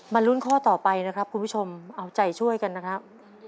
ลุ้นข้อต่อไปนะครับคุณผู้ชมเอาใจช่วยกันนะครับ